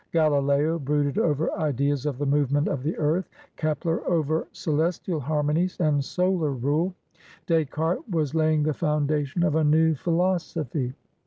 Galileo brooded over ideas of the movement of the earth; Kepler^ over celestial harmonies and solar rule. Descartes was laying the foundation of a new philosophy.